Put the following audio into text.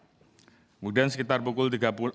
kemudian sekitar pukul tiga puluh